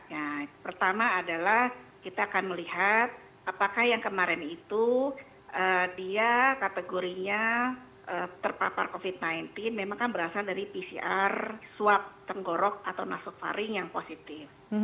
ya pertama adalah kita akan melihat apakah yang kemarin itu dia kategorinya terpapar covid sembilan belas memang kan berasal dari pcr swab tenggorok atau nasofaring yang positif